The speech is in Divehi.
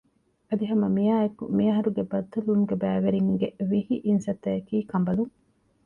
އަދި ހަމަ މިއާއެކު މި އަހަރުގެ ބައްދަލުވުމުގެ ބައިވެރިންގެ ވިހި އިންސައްތައަކީ ކަނބަލުން